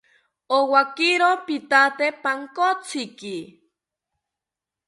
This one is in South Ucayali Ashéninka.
Owakiro pithate pankotziki